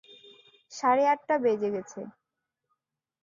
সাড়ে আটটা বেজে গেছে।